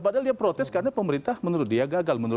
padahal dia protes karena pemerintah menurut dia gagal